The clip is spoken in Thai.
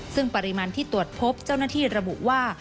ซึ่งปริมาณที่ตรวจพบเจ้าหน้าที่ระบุว่า